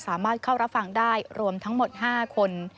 สามารถเข้ารับฟังได้รวมทั้งหมด๕คน